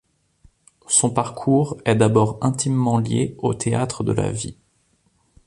Son parcours est d'abord intimement lié au Théâtre de la Vie.